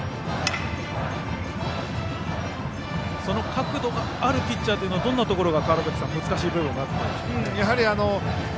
その角度があるピッチャーというのはどんなところが川原崎さん、難しい部分ですか。